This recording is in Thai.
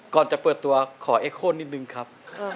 ก่อนจะเปิดตัวขอเอ็กโค้นนิดนึงครับ